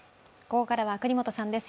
ここからは國本さんです。